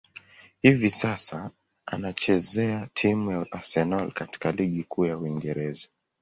Hivi sasa, anachezea timu ya Arsenal katika ligi kuu ya Uingereza.